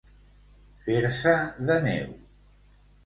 Fer-se de neu.